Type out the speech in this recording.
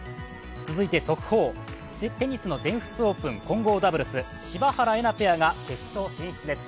続いて速報、テニスの全仏オープン混合ダブルス、柴原瑛菜ペアが決勝進出です。